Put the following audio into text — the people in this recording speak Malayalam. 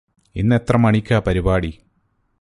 ഇന്നെത്ര മണിക്കാ പരിപാടി?